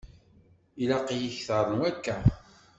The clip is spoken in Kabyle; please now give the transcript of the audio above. Ilaq-iyi kter n wakka.